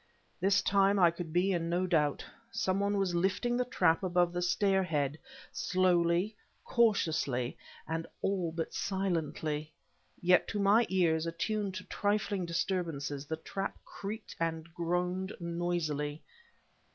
This time I could be in no doubt; some one was lifting the trap above the stairhead slowly, cautiously, and all but silently. Yet to my ears, attuned to trifling disturbances, the trap creaked and groaned noisily.